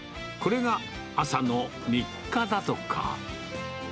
これが朝の日課だとか。